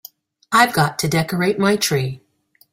I've got to decorate my tree.